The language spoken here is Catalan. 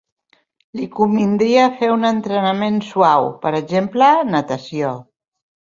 Li convindria fer un entrenament suau, per exemple natació.